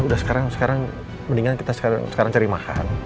udah sekarang sekarang mendingan kita sekarang cari makan